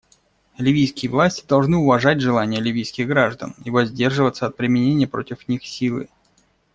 Ливийские власти должны уважать желание ливийских граждан и воздерживаться от применения против них силы.